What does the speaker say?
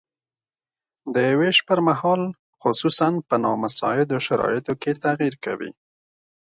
د ویش پرمهال خصوصاً په نامساعدو شرایطو کې تغیر کوي.